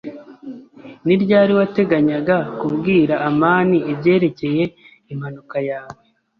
Ni ryari wateganyaga kubwira amani ibyerekeye impanuka yawe?